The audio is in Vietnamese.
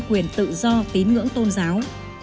quyền tự do tín ngưỡng tôn giáo